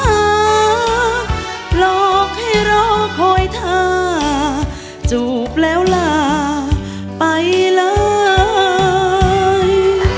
หลอกให้รอคอยท่าจูบแล้วลาไปเลย